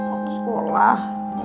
gue ke sekolah